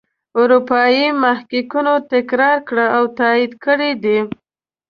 اروپايي محققینو تکرار کړي او تایید کړي دي.